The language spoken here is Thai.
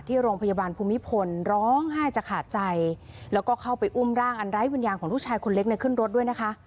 ที่โรงพยาบาลภูมิพลร้องไห้จะขาดใจแล้วก็เข้าไปอุ้มร่างอันไร้วิญญาณของลูกชายคนเล็กเนี่ยขึ้นรถด้วยนะคะ